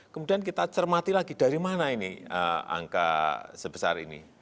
kemudian kita cermati lagi dari mana ini angka sebesar ini